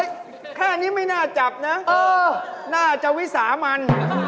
เฮ้ยแค่อันนี้ไม่น่าจับนะน่าจะวิสาห์มัน